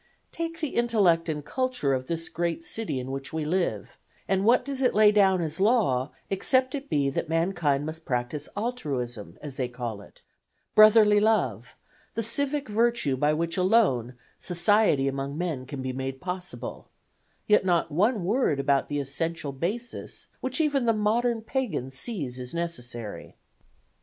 Take the intellect and culture of this great city in which we live, and what does it lay down as law, except it be that mankind must practice altruism, as they call it, brotherly love, the civic virtue by which alone society among men can be made possible, yet not one word about the essential basis which even the modern pagan sees is necessary.